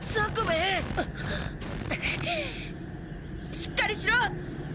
しっかりしろ！